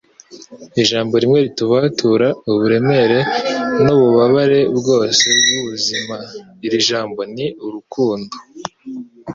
Ijambo rimwe ritubatura uburemere n'ububabare bwose bw'ubuzima: Iri jambo ni urukundo.”